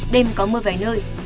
đêm có mưa vài nơi